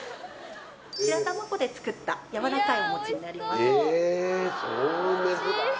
白玉粉で作ったやわらかいお餅になります